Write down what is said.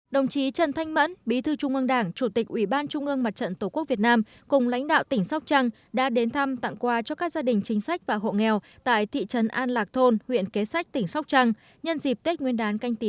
đồng chí trần thanh mẫn bí thư trung ương đảng chủ tịch ủy ban trung ương mặt trận tổ quốc việt nam cùng lãnh đạo tỉnh sóc trăng đã đến thăm tặng quà cho các gia đình chính sách và hộ nghèo tại thị trấn an lạc thôn huyện kế sách tỉnh sóc trăng nhân dịp tết nguyên đán canh tí hai nghìn hai mươi